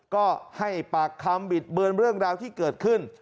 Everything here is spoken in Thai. ก็ให้ปากคำบิดเบือนเรื่องราวที่เกิดขึ้น